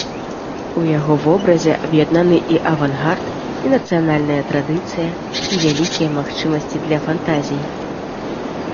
У яго вобразе аб'яднаны і авангард, і нацыянальная традыцыя, і вялікія магчымасці для фантазій.